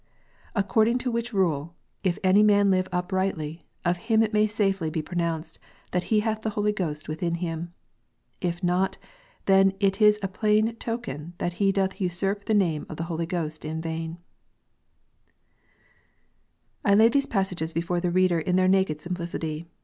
According to which rule, if any man live uprightly, of him it may safely be pronounced that he hath the Holy Ghost within him : if not, then it is a plain token that he doth usurp the name of the Holy Ghost in vain" I lay these passages before the reader in their naked simplicity.